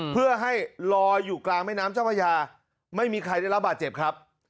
เพื่อให้ลอยอยู่กลางแม่น้ำเจ้าพระยาไม่มีใครได้รับบาดเจ็บครับ